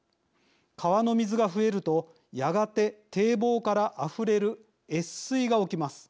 川の水が増えるとやがて堤防からあふれる越水が起きます。